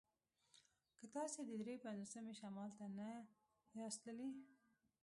که تاسې د دري پنځوسمې شمال ته نه یاست تللي